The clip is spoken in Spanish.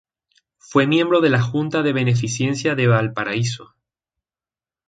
Fue miembro de la Junta de Beneficencia de Valparaíso.